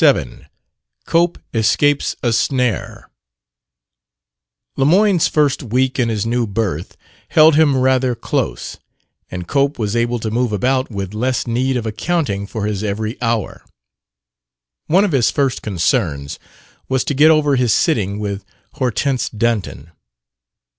27 COPE ESCAPES A SNARE Lemoyne's first week in his new berth held him rather close, and Cope was able to move about with less need of accounting for his every hour. One of his first concerns was to get over his sitting with Hortense Dunton.